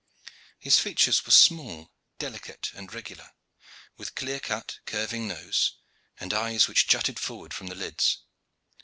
His features were small, delicate, and regular, with clear cut, curving nose, and eyes which jutted forward from the lids.